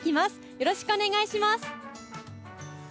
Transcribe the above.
よろしくお願いします。